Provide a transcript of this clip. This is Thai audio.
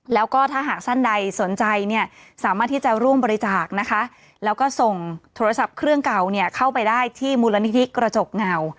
แล้วก็ถ้าหากท่านใดสนใจเนี่ยสามารถที่จะร่วมบริจาคนะคะแล้วก็ส่งโทรศัพท์เครื่องเก่าเนี่ยเข้าไปได้ที่มูลนิธิกระจกเงา